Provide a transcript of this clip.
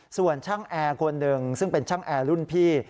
ส่วนช่างแอร์คนหนึ่งซึ่งเป็นช่างแอร์รุ่นพี่